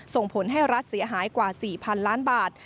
ส่งผลให้รัฐเสียหายกว่า๔๐๐๐ล้านบาท